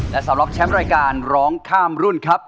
และสำหรับแชมป์รายการร้องข้ามรุ่นครับ